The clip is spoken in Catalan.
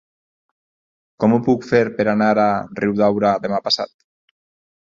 Com ho puc fer per anar a Riudaura demà passat?